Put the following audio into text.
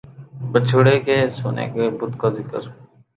بچھڑے کے سونے کے بت کا ذکر